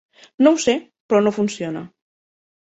No ho sé, però no funciona.